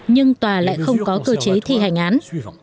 nhưng tòa lại không có cơ chế thi hành án